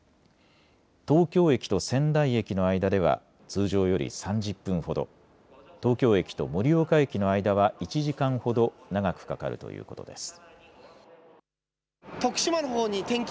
東京駅と仙台駅の間では通常より３０分ほど、東京駅と盛岡駅の間は１時間ほど長くかかるということです。